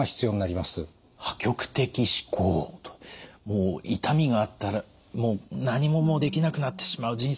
もう痛みがあったら何ももうできなくなってしまう人生終わってしまう。